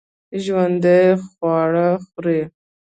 ژوندي خواړه خوري